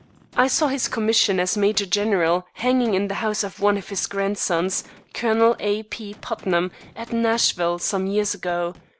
I saw his commission as major general hanging in the house of one of his grandsons, Colonel A. P. Putnam, at Nashville, some years ago.